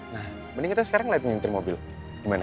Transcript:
nah mending kita sekarang lihat nyintir mobil gimana